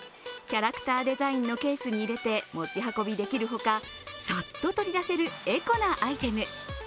キャラクターデザインのケースに入れて持ち運びできるほか、さっと取り出せるエコなアイテム。